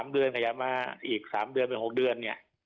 ๓เดือนขยายมาอีก๓เดือนเป็น๖เดือน